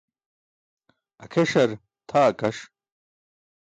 Akʰeṣar tʰa akaṣ.